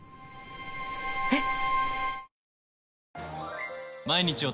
えっ？